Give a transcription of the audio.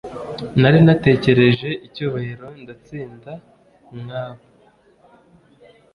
nari natekereje icyubahiro ndatsinda nkabo